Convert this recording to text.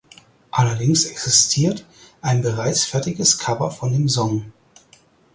Allerdings existiert ein bereits fertiges Cover von den Song.